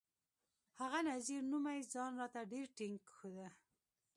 هغه نذير نومي ځان راته ډېر ټينګ ښوده.